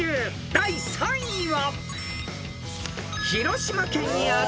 ［第３位は］